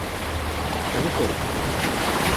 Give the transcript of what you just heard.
Çabuk ol.